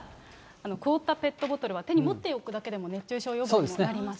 凍ったペットボトルは手に持っておくだけでも熱中症予防になりま